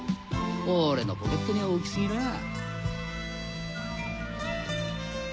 俺のポケットには大き過ぎらぁ。